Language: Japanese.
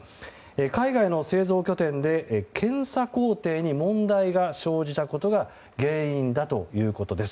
海外の製造拠点で検査工程に問題が生じたことが原因だということです。